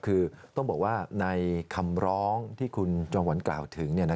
คือต้องบอกว่าในคำร้องที่คุณจองหวันกล่าวถึง